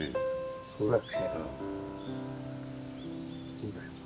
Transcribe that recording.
そうだよね。